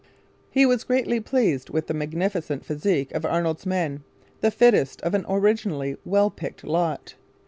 He was greatly pleased with the magnificent physique of Arnold's men, the fittest of an originally well picked lot.